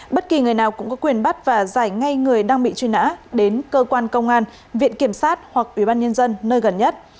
bất kỳ người nào cũng có quyền bắt và giải ngay người đang bị truy nã đến cơ quan công an viện kiểm sát hoặc ủy ban nhân dân nơi gần nhất